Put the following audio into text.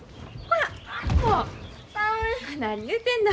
何言うてんの。